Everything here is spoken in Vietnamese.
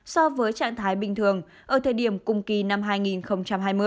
so với trạng thái bình thường ở thời điểm cùng kỳ năm hai nghìn hai mươi